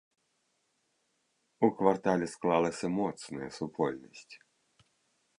У квартале склалася моцная супольнасць.